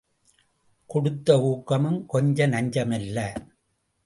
கொடுத்த ஊக்கமும் கொஞ்ச நஞ்சமல்ல.